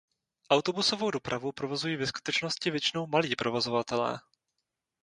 Autobusovou dopravu provozují ve skutečnosti většinou malí provozovatelé.